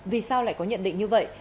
vì sao lại có nhận định như vậy